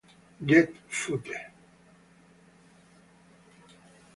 Jeff Foote